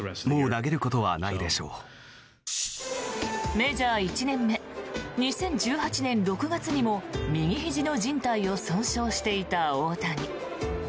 メジャー１年目２０１８年６月にも右ひじのじん帯を損傷していた大谷。